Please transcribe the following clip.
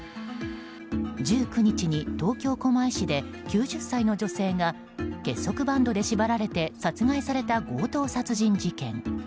１９日に東京・狛江市で９０歳の女性が結束バンドで縛られて殺害された強盗殺人事件。